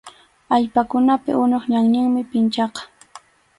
Allpakunapi unup ñanninmi pinchaqa.